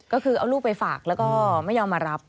ก็คือเอาลูกไปฝากแล้วก็ไม่ยอมมารับ